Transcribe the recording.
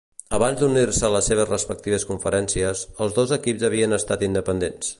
Abans d'unir-se a les seves respectives conferències, els dos equips havien estat independents.